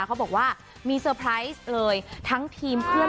แค่ทำทุกอย่างมันถูกต้อง